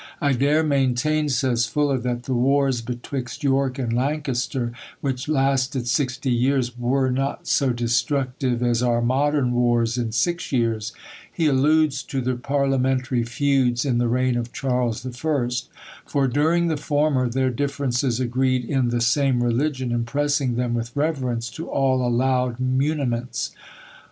"I dare maintain," says Fuller, "that the wars betwixt York and Lancaster, which lasted sixty years, were not so destructive as our modern wars in six years." He alludes to the parliamentary feuds in the reign of Charles I. "For during the former their differences agreed in the same religion, impressing them with reverence to all allowed muniments!